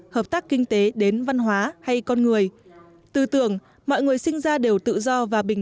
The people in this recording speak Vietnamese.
hợp tác kinh tế đến văn hóa hay con người tư tưởng mọi người sinh ra đều tự do và bình